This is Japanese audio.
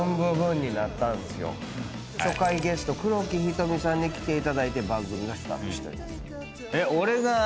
初回ゲスト黒木瞳さんに来ていただいて番組がスタートしております。